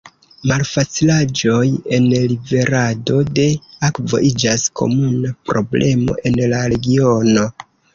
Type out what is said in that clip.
Malfacilaĵoj en liverado de akvo iĝas komuna problemo en la regiono.